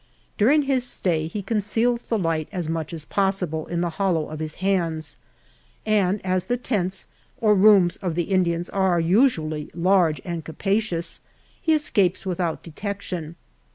During his etay he conceals the light as much as possible in the hol low of his hands; and as the tents or rooms of the Indians are usually large and capacious, he escapes without detec LEWIS AND CLARKE. 97 tion.